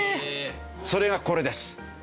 それがこれです。